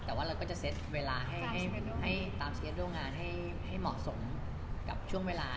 แต่จะเซตเวลายังไงตามสายการเข้าวันวันงานให้เหมาะสมกับช่วงเวลา